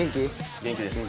元気です。